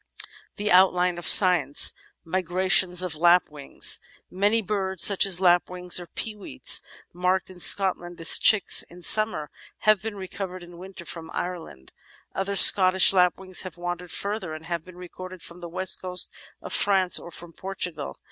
428 The Outline of Science Migrations of Lapwings Many birds, such as lapwings, or peewits, marked in Scotland as chicks in summer have been recovered in winter from Ireland. Other Scottish lapwings have wandered further and have been recorded from the west coast of France or from Portugal.